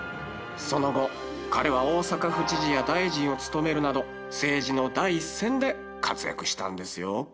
その後彼は大阪府知事や大臣を務めるなど政治の第一線で活躍したんですよ。